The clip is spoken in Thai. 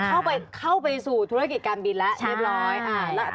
คือเข้าไปสู่ธุรกิจการบินแล้วเรียบร้อยอ่าแล้วอันนี้เปิดเหรอ